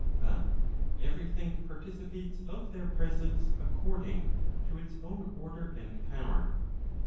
But every thing participates of their presence according to its own order and power.